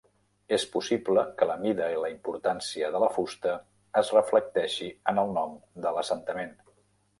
És possible que la mida i la importància de la fusta es reflecteixi en el nom de l'assentament.